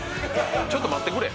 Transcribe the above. ちょっと待ってくれ。